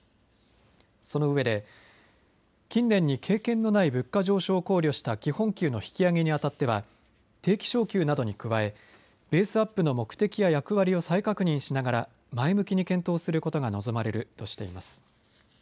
そのうえで近年に経験のない物価上昇を考慮した基本給の引き上げにあたっては定期昇給などに加えベースアップの目的や役割を再確認しながら前向きに検討することが望まれるとしています。